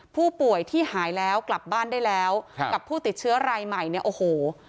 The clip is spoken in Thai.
ผู้ป่วยที่หายแล้วกลับบ้านได้แล้วครับกับผู้ติดเชื้อรายใหม่เนี่ยโอ้โห